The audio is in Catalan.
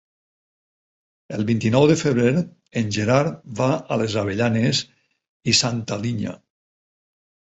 El vint-i-nou de febrer en Gerard va a les Avellanes i Santa Linya.